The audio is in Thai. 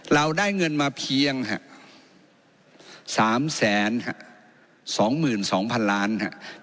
เราได้เงินมาเพียงฮะสามแสนฮะสองหมื่นสองพันล้านฮะ